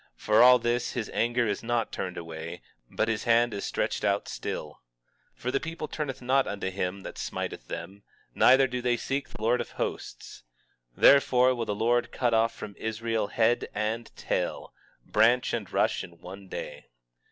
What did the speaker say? For all this his anger is not turned away, but his hand is stretched out still. 19:13 For the people turneth not unto him that smiteth them, neither do they seek the Lord of Hosts. 19:14 Therefore will the Lord cut off from Israel head and tail, branch and rush in one day.